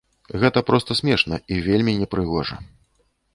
Гэта проста смешна і вельмі непрыгожа.